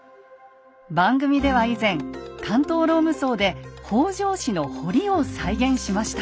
番組では以前関東ローム層で北条氏の堀を再現しました。